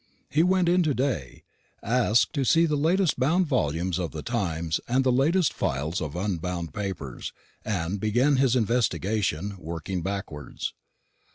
He went in to day, asked to see the latest bound volumes of the Times and the latest files of unbound papers, and began his investigation, working backwards.